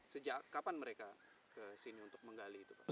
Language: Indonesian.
sejak kapan mereka ke sini untuk menggali itu pak